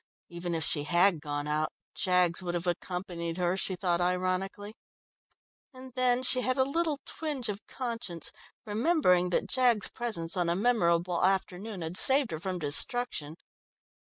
Even if she had gone out, Jaggs would have accompanied her, she thought ironically. And then she had a little twinge of conscience, remembering that Jaggs's presence on a memorable afternoon had saved her from destruction.